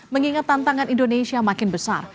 mengingat tantangan indonesia makin besar